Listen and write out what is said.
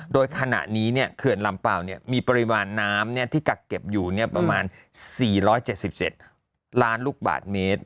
โดยขณะนี้เขื่อนลำเปล่ามีปริมาณน้ำที่กักเก็บอยู่ประมาณ๔๗๗ล้านลูกบาทเมตร